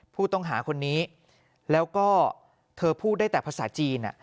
ผู้ต้องหาคนนี้แล้วก็เธอพูดได้แต่ภาษาจีน